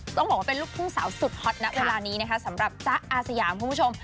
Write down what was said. ต้องบอกว่าเป็นลูกทุ่งสาวสุดฮอตนะเวลานี้นะคะสำหรับจ๊ะอาสยามคุณผู้ชม